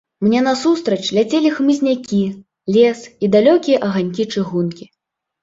Мне насустрач ляцелі хмызнякі, лес і далёкія аганькі чыгункі.